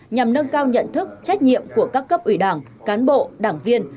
nhằm nâng cao nhận thức trách nhiệm của các cấp ủy đảng cán bộ đảng viên